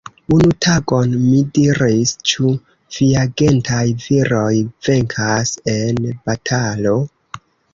Unu tagon mi diris, Ĉu viagentaj viroj venkas en batalo?